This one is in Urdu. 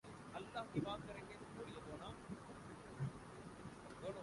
لندن قومی ٹیم کا ٹاس جیت کر انگلش کانٹی کلب کیخلاف بیٹنگ کا فیصلہ